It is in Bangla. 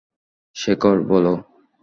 শেখর, বলো।